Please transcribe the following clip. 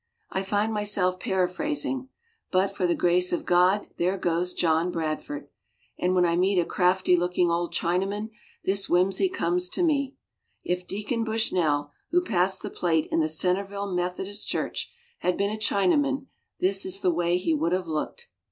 I find myself paraphrasing: "But for the grace of God there goes John Bradford," and when I meet a crafty looking old Chinaman this whimsy comes to me, "If Deacon Bushnell who passed the plate in the Centerville Methodist Church had been a Chinaman this is the way he would have looked."